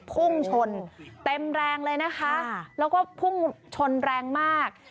พุ่งชนเต็มแรงเลยนะคะแล้วก็พุ่งชนแรงมาก